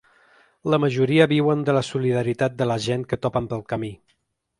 La majoria viuen de la solidaritat de la gent que topen pel camí.